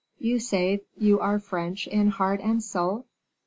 "You say you are French in heart and soul?"